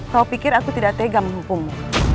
kau pikir aku tidak tega menghukummu